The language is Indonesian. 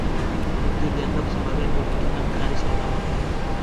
Itu dianggap sebagai pemukiman tradisional.